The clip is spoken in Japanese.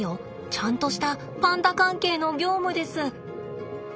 ちゃんとしたパンダ関係の業務です。